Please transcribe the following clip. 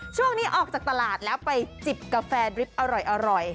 ช่วงนี้ออกจากตลาดแล้วไปจิบกาแฟดริบอร่อย